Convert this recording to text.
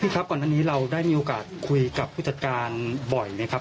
ครับก่อนหน้านี้เราได้มีโอกาสคุยกับผู้จัดการบ่อยไหมครับ